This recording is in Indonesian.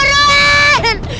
pak rt burun